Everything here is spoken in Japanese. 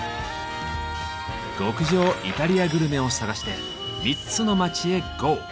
極上イタリアグルメを探して３つの街へＧＯ！